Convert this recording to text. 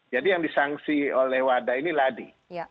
jadi yang disanksi oleh wadah ini ladi